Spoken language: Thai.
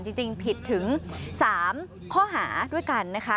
จริงผิดถึง๓ข้อหาด้วยกันนะคะ